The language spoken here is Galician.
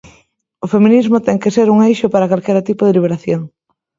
O feminismo ten que ser un eixo para calquera tipo de liberación.